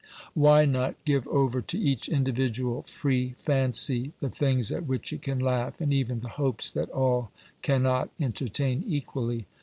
Why not give over to each individual free fancy the things at which it can laugh, and even the hopes that all cannot entertain equally